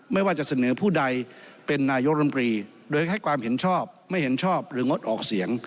ไม่ว่าจะเสนอผู้ใดเป็นนายกรมรีโดยให้ความเห็นชอบไม่เห็นชอบหรืองดออกเสียง